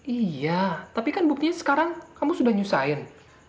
iya tapi kan buktinya sekarang kamu sudah nyusahin